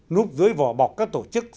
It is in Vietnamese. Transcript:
núp dưới vỏ bọc các tổ chức